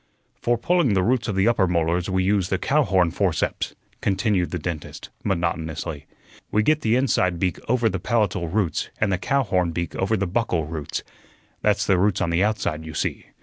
"For pulling the roots of the upper molars we use the cowhorn forceps," continued the dentist, monotonously. "We get the inside beak over the palatal roots and the cow horn beak over the buccal roots that's the roots on the outside, you see.